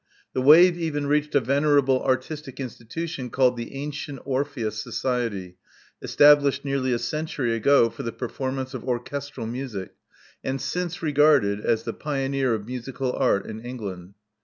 The wave even reached a venerable artistic institution called the Antient Orpheus Society, established nearly a century ago for the performance of orchestral music, and since regarded as the pioneer of musical art in England.